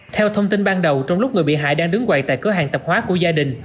theo thông tin ban đầu trong lúc người bị hại đang đứng quậy tại cửa hàng tạp hóa của gia đình